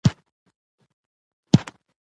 دا کار يوازي چاپېريال نه ککړوي،